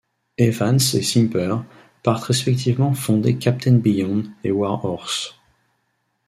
Evans et Simper partent respectivement fonder Captain Beyond et Warhorse.